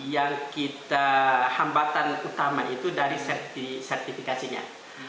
yang kita hambatan utama itu dari sertifikasinya